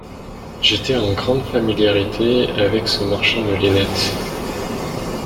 J'étais en grande familiarité avec ce marchand de lunettes.